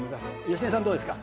芳根さんどうですか？